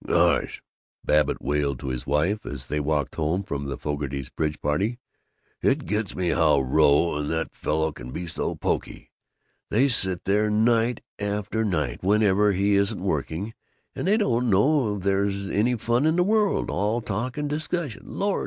"Gosh," Babbitt wailed to his wife, as they walked home from the Fogartys' bridge party, "it gets me how Rone and that fellow can be so poky. They sit there night after night, whenever he isn't working, and they don't know there's any fun in the world. All talk and discussion Lord!